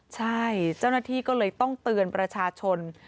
ใช่เจ้าหน้าที่ก็เลยต้องเตือนประชาชน